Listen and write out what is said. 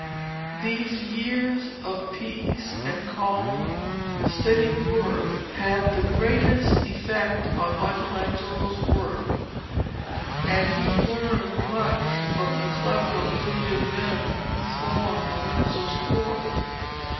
These years of peace, and calm, steady work had the greatest effect on Michelangelo's work, and he learned much from the clever, brilliant men who thronged Lorenzo's court.